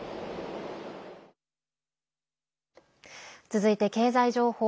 続いて経済情報。